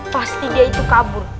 pasti dia itu kabur